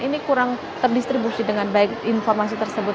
ini kurang terdistribusi dengan baik informasi tersebut